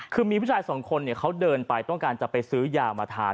คือมีผู้ชายสองคนเขาเดินไปต้องการจะไปซื้อยามาทาน